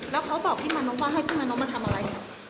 แล้วเขาบอกพี่มนุษย์ว่าให้พี่มนุษย์มาทำอะไร